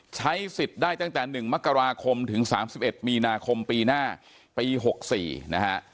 ใช้สิทธิ์ได้ตั้งแต่หนึ่งมกราคมถึงสามสิบเอ็ดมีนาคมปีหน้าปีหกสี่นะฮะ